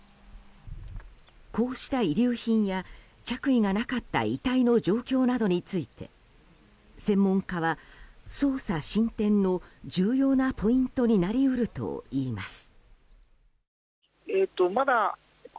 こうした遺留品や着衣がなかった遺体の状況などについて専門家は捜査進展の重要なポイントになり得るといいます。